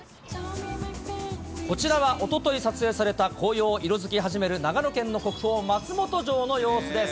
こちらはおととい撮影された紅葉色づき始める、長野県の国宝松本城の様子です。